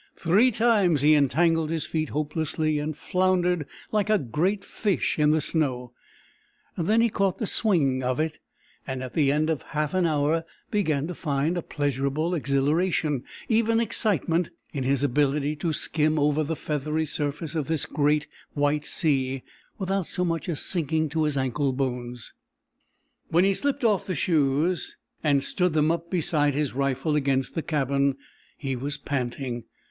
Three times he entangled his feet hopelessly and floundered like a great fish in the snow; then he caught the "swing" of it and at the end of half an hour began to find a pleasurable exhilaration, even excitement, in his ability to skim over the feathery surface of this great white sea without so much as sinking to his ankle bones. When he slipped the shoes off and stood them up beside his rifle against the cabin, he was panting.